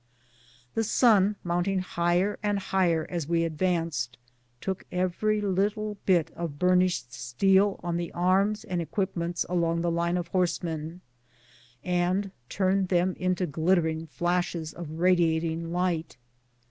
The sun, mounting higher and higher as we advanced, took every little bit of burnished steel on the arms and equipments along the line of horsemen, and turned them into glittering flashes of radiating light.